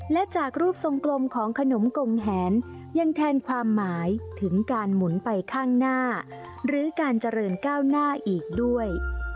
และจากรูปทรงกลมของขนมกงแหนยังแทนความหมายถึงการหมุนไปข้างหน้าหรือการเจริญก้าวหน้าอีกด้วย